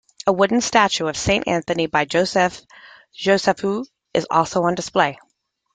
A wooden statue of Saint Anthony by Josef Josephu is also on display.